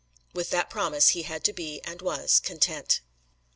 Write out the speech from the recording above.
With that promise he had to be, and was content.